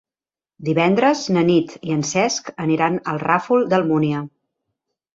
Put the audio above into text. Divendres na Nit i en Cesc aniran al Ràfol d'Almúnia.